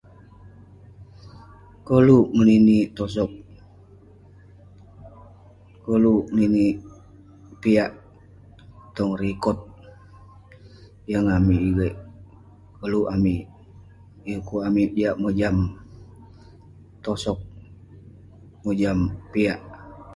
Koluk ngeninik tosog, koluk ngeninik piak tong rikod. Yeng amik igeik, koluk amik. Yah ukuk amik jiak mojam tosog, mojam piak.